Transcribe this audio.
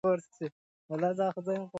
ماري کوري د پولونیم کشف پایله ثبت کړه.